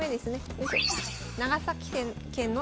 よいしょ。